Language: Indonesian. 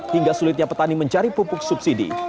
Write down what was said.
hingga sulitnya petani mencari pupuk subsidi